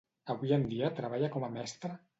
Avui en dia treballa com a mestra?